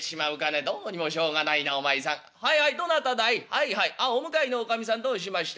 はいはいお向かいのおかみさんどうしました？